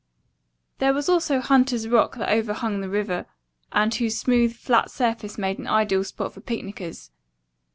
There was also Hunter's Rock that overhung the river, and whose smooth, flat surface made an ideal spot for picnickers.